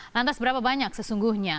lantas berapa banyak sesungguhnya